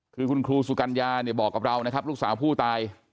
คือคุณครูสุกัญญาเนี่ยบอกกับเรานะครับลูกสาวผู้ตาย